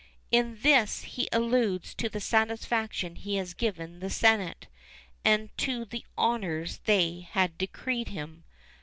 In this he alludes to the satisfaction he had given the senate, and to the honours they had decreed him.